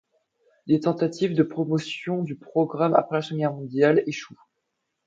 Les tentatives de promotion du programme après la Seconde Guerre mondiale échouent.